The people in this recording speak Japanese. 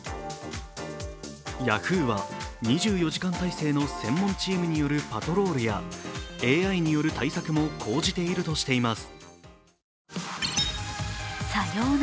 ヤフーは２４時間体制の専門チームによるパトロールやＡＩによる対策も講じているとしています。